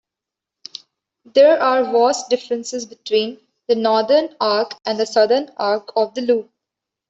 There are vast differences between the northern arc and southern arc of the loop.